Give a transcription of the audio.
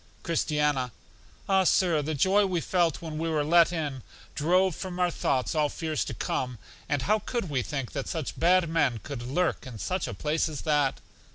Christiana: Ah, Sir, the joy we felt when we were let in, drove from our thoughts all fears to come. And how could we think that such had men could lurk in such a place as that?